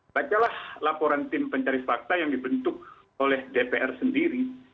bacalah laporan tim pencari fakta yang dibentuk oleh dpr sendiri